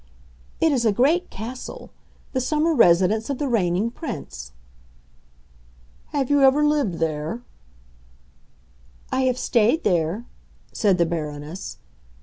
"It is a great castle,—the summer residence of the Reigning Prince." "Have you ever lived there?" "I have stayed there," said the Baroness.